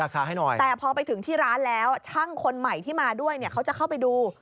แต่พอไปถึงที่ร้านแล้วช่างคนไว้มาด้วยเขาจะเข้าไปดู